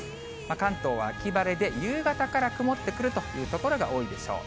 関東は秋晴れで、夕方から曇ってくるという所が多いでしょう。